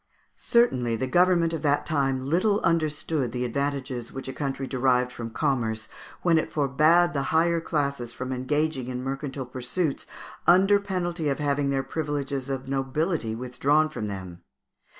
Certainly the government of that time little understood the advantages which a country derived from commerce when it forbade the higher classes from engaging in mercantile pursuits under penalty of having their privileges of nobility withdrawn from them.